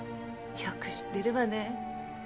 よく知ってるわね。